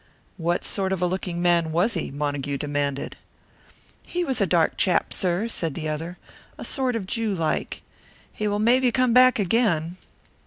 "What sort of a looking man was he?" Montague demanded. "He was a dark chap, sir," said the other, "a sort of Jew like. He will maybe come back again."